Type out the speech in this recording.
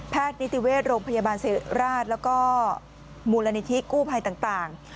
แพทย์นิติเวทย์โรงพยาบาลเศรษฐ์ราชแล้วก็มูลนิธิกู้ภัยต่าง